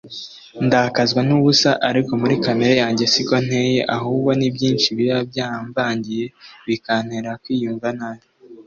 Ndakazwa n’ubusa ariko muri kamere yanjye siko nteye ahubwo nibyinshi biba byamvangiye bikantera kwiyumva nabi.